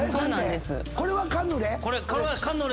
これはカヌレ？